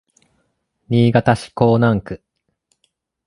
新潟市江南区